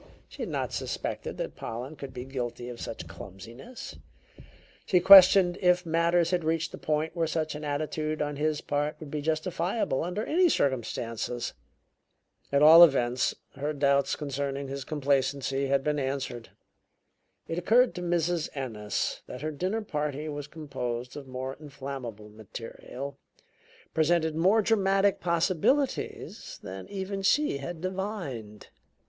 She had not suspected that Pollen could be guilty of such clumsiness; she questioned if matters had reached a point where such an attitude on his part would be justifiable under any circumstances. At all events, her doubts concerning his complacency had been answered. It occurred to Mrs. Ennis that her dinner party was composed of more inflammable material, presented more dramatic possibilities, than even she had divined.